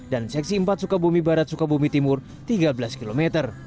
dan seksi empat cibadak sukabumi timur tiga belas tujuh km